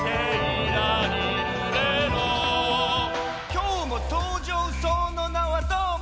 「今日も登場その名はどーも」